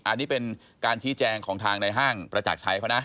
อันนี้เป็นการชี้แจงของทางในห้างประจักรชัยเขานะ